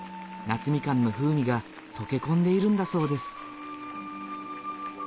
夏みかんの風味が溶け込んでいるんだそうです